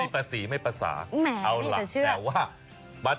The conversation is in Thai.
ไม่ประสีไม่ประสาท